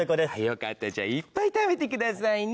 よかったじゃあいっぱい食べてくださいね。